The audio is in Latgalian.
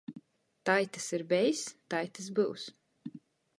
Tai tys ir bejs, tai tys byus.